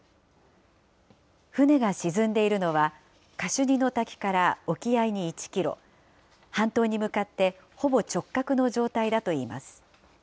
船が沈んでいるのは、カシュニの滝から沖合に１キロ、半島に向かってほぼ直角の状態だといいます。